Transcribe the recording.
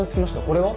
これは？